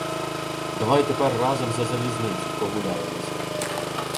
— Давай тепер разом за залізницю прогуляємося.